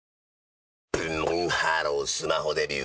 ブンブンハロースマホデビュー！